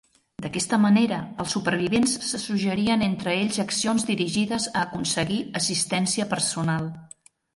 D’aquesta manera, els supervivents se suggerien entre ells accions dirigides a aconseguir assistència personal.